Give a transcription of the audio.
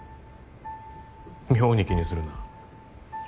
妙に気にするな。